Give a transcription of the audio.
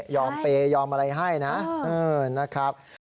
ยอมเปยอมอะไรให้นะ